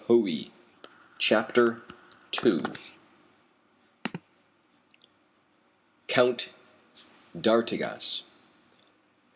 CHAPTER II. COUNT D'ARTIGAS.